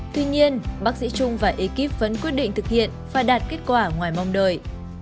tuy nhiên bác sĩ trung và ekip vẫn quyết định thực hiện và đạt kết quả ngoài mong đợi